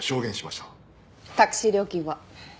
タクシー料金は？